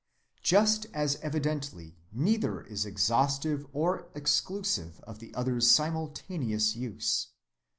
Just as evidently neither is exhaustive or exclusive of the other's simultaneous use.